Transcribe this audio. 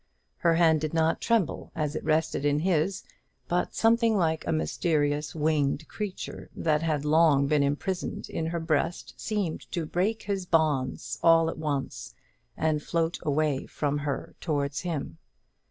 Her hand did not tremble as it rested in his; but something like a mysterious winged creature that had long been imprisoned in her breast seemed to break his bonds all at once, and float away from her towards him.